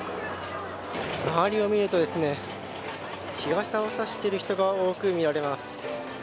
周りを見ると日傘を差している人が多く見られます。